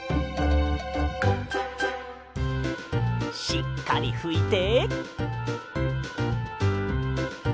しっかりふいて。